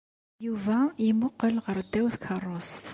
Yuba yemmuqqel ɣer ddaw tkeṛṛust.